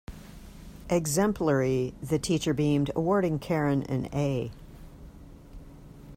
Exemplary, the teacher beamed, awarding Karen an A.